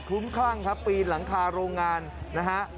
ลุ้มคลั่งครับปีนหลังคาโรงงานนะฮะ